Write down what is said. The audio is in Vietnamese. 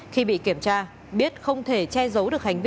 khi bị kiểm tra biết không thể che giấu được hành vi